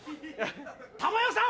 珠代さん